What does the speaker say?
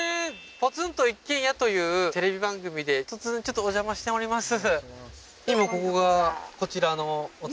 ポツンと一軒家というテレビ番組で突然ちょっとお邪魔しております